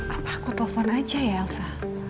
apa aku telepon aja ya elsa